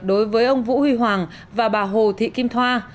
đối với ông vũ huy hoàng và bà hồ thị kim thoa